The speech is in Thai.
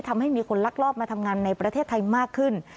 ทำให้มีคนลักลอบมาทำงานในประเทศไทยมากขึ้น